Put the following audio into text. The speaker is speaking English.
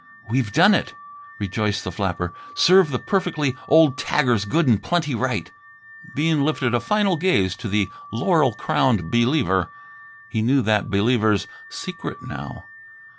"We've done it," rejoiced the flapper. "Serve the perfectly old taggers good and plenty right!" Bean lifted a final gaze to the laurel crowned Believer. He knew that Believer's secret now.